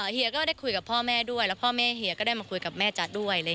เฮียก็ได้คุยกับพ่อแม่ด้วยแล้วพ่อแม่เฮียก็ได้มาคุยกับแม่จัดด้วย